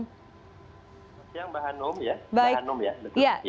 selamat siang mbak hanum ya